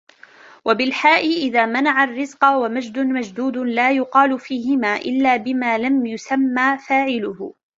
وَبِالْحَاءِ إذَا مَنَعَ الرِّزْقَ وَمَجْدٌ مَجْدُودٍ لَا يُقَالُ فِيهِمَا إلَّا بِمَا لَمْ يُسَمَّ فَاعِلُهُ